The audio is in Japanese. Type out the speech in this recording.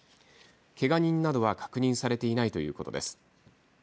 けが人などは確認されていないということです。